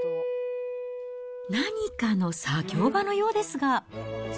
何かの作業場のようですが。